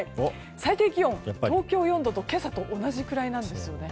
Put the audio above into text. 最低気温、東京４度と今朝と同じくらいなんですよね。